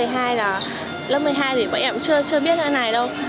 thì là lớp một mươi hai thì bọn em chưa biết thế này đâu